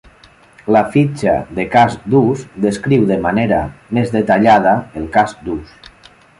La fitxa de cas d'ús descriu de manera més detallada el cas d'ús.